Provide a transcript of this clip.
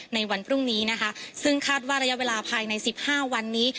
ในวันพรุ่งนี้นะคะซึ่งคาดว่าระยะเวลาภายในสิบห้าวันนี้